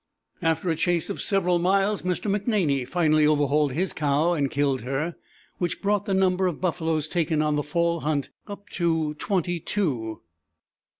] After a chase of several miles Mr. McNaney finally overhauled his cow and killed her, which brought the number of buffaloes taken on the fall hunt up to twenty two.